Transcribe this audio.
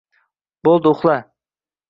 Bo‘ldi, uxla...